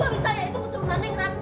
suami saya itu keturunan neng rat